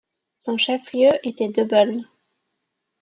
Son chef-lieu était Döbeln.